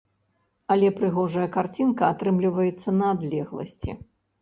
Але прыгожая карцінка атрымліваецца на адлегласці.